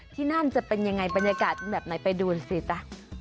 ที่นั่นจะเป็นยังไงบรรยากาศแบบไหนไปดูสิจ๊ะ